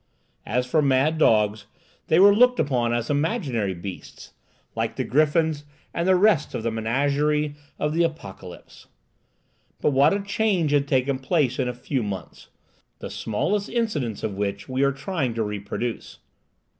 As for mad dogs, they were looked upon as imaginary beasts, like the griffins and the rest in the menagerie of the apocalypse. But what a change had taken place in a few months, the smallest incidents of which we are trying to reproduce!